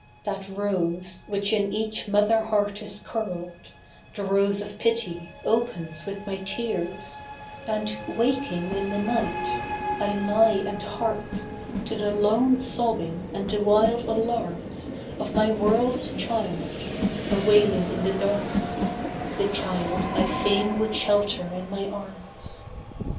That rose, which in each mother heart is curled, The rose of pity, opens with my tears, And, waking in the night, I lie and hark To the lone sobbing, and the wild alarms, Of my World child, a wailing in the dark: The child I fain would shelter in my arms.